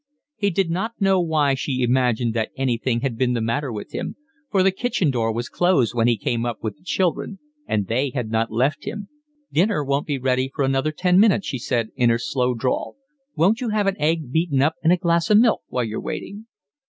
He did not know why she imagined that anything had been the matter with him, for the kitchen door was closed when he came up with the children, and they had not left him. "Dinner won't be ready for another ten minutes," she said, in her slow drawl. "Won't you have an egg beaten up in a glass of milk while you're waiting?"